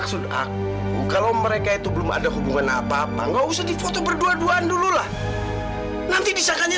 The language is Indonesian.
sampai jumpa di video selanjutnya